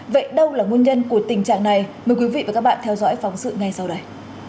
vậy đâu là nguồn nhân của tình trạng này mời quý vị và các bạn theo dõi phóng sự ngay sau đây